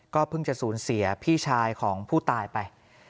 เพิ่งจะสูญเสียพี่ชายของผู้ตายไป